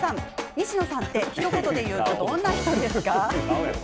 西野さんって、ひと言で言うとどんな人ですか？